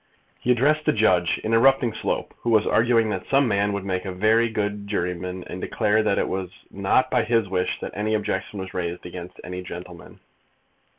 "He addressed the judge, interrupting Slope, who was arguing that some man would make a very good juryman, and declared that it was not by his wish that any objection was raised against any gentleman."